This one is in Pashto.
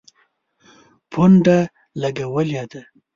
پونډه لګولي وه.